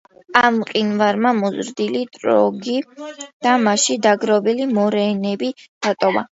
ამ მყინვარმა მოზრდილი ტროგი და მასში დაგროვილი მორენები დატოვა.